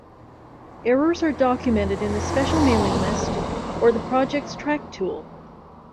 Errors are documented in a special mailing list, or the project's Trac tool.